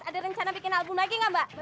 ada rencana bikin album lagi nggak mbak